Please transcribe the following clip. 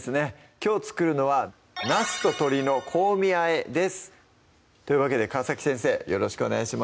きょう作るのは「なすと鶏の香味和え」ですというわけで川先生よろしくお願いします